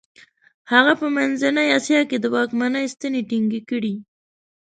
هغه په منځنۍ اسیا کې د واکمنۍ ستنې ټینګې کړې.